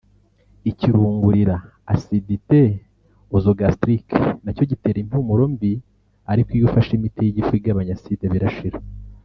Ikirungurira (acidite oeso -gastrique) na cyo gitera impumuro mbi ariko iyo ufashe imiti y’igifu igabanya acide birashira